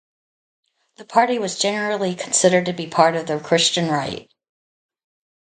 The party was generally considered to be part of the Christian right.